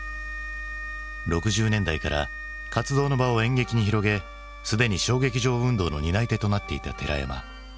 ６０年代から活動の場を演劇に広げすでに小劇場運動の担い手となっていた寺山。